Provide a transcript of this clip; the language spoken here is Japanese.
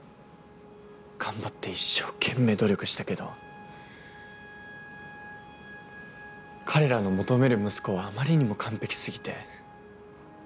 頑張って一生懸命努力したけど彼らの求める息子はあまりにも完璧過ぎて。